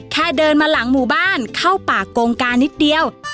แค่เดินมาหลังหมู่บ้านเข้าป่ากงกานิดเดียว